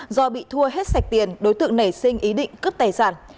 do bị thua hết sạch tiền đối tượng nảy sinh ý định cướp tài sản